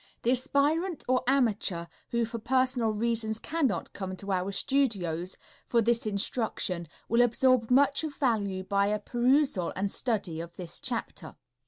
The aspirant or amateur who for personal reasons cannot come to our studios for this instruction will absorb much of value by a perusal and study of this chapter.